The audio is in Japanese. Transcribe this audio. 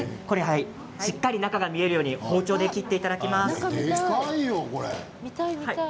中が見えるように包丁で切っていただきます。